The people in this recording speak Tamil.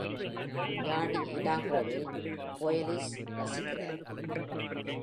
ஜோடி இடாஹோவின் போயஸில் வசிக்கிறார்.